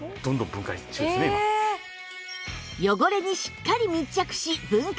汚れにしっかり密着し分解。